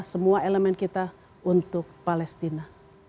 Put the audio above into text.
semua elemen kita untuk palestina